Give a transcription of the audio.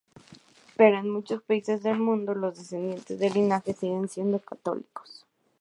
Pero en muchos países del mundo los descendientes del linaje siguen siendo católicos.